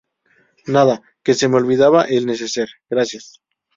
nada, que se me olvidaba el neceser. gracias.